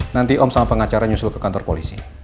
nanti om sama pengacara nyusul ke kantor polisi